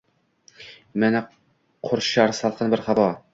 Meni qurshar salqin bir havo